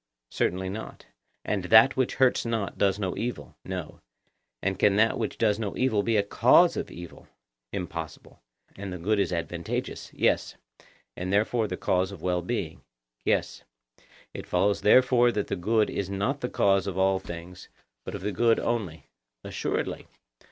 Certainly not. And that which hurts not does no evil? No. And can that which does no evil be a cause of evil? Impossible. And the good is advantageous? Yes. And therefore the cause of well being? Yes. It follows therefore that the good is not the cause of all things, but of the good only? Assuredly.